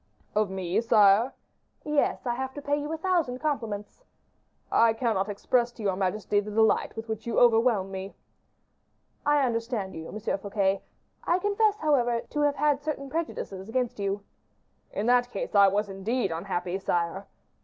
"Of me, sire?" "Yes, I have to pay you a thousand compliments." "I cannot express to your majesty the delight with which you overwhelm me." "I understand you, M. Fouquet. I confess, however, to have had certain prejudices against you." "In that case, I was indeed unhappy, sire."